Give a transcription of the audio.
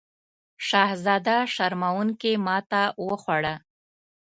شهزاده شرموونکې ماته وخوړه.